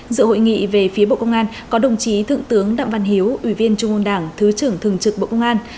dự hội nghị về phía bộ công an có đồng chí thượng tướng đặng văn hiếu ủy viên trung ương đảng thứ trưởng thường trực bộ công an